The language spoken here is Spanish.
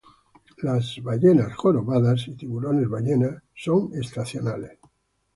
Las ballenas jorobadas y tiburones ballena son estacionales.